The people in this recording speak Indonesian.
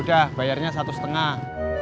udah bayarnya satu setengah